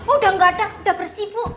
udah gak ada udah bersih bu